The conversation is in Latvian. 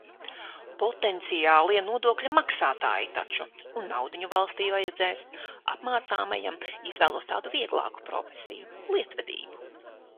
Potenciālie nodokļu maksātāji taču! Un naudiņu valstij vajadzēs. Apmācāmajam izvēlos tādu vieglāku profesiju - lietvedību.